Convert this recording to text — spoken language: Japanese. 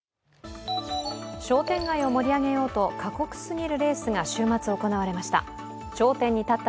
商店街を盛り上げようと過酷すぎるレースが週末行われました。